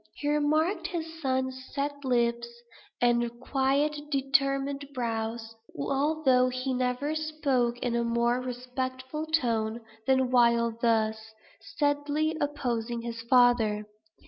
He remarked his son's set lips, and quiet determined brow, although he never spoke in a more respectful tone, than while thus steadily opposing his father.